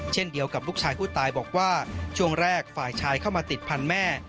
เช่นเดียวกับลูกชายผู้ตายบอกว่าช่วงแรกฝ่ายชายเข้ามาติดพันธุ์แม่